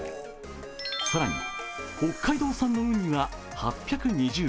更に北海道産のうには８２０円。